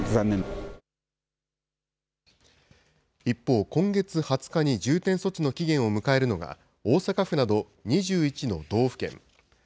一方、今月２０日に重点措置の期限を迎えるのが、大阪府など２１の道府県。